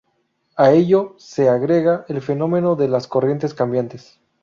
A ello se agrega el fenómeno de las corrientes cambiantes.